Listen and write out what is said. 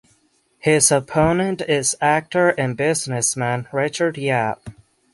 His opponent is actor and businessman Richard Yap.